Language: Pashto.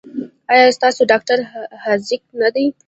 ایا ستاسو ډاکټر حاذق نه دی؟